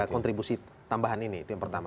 kontribusi tambahan ini